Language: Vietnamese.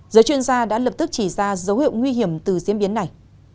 giới chuyên gia đã lập tức chỉ ra dấu hiệu nguy hiểm từ diễn biến này